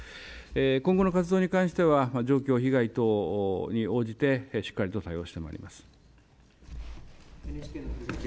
今後の活動に関しては状況被害等に応じてしっかりと対応してまいります。